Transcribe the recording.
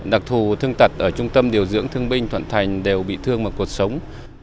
đặc thù thương tật ở trung tâm điều dưỡng thương binh thuận thành đều bị thương một cuộc sống